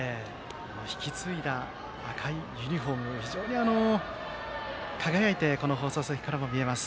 引き継いだ赤いユニフォームが非常に輝いてこの放送席からも見えます。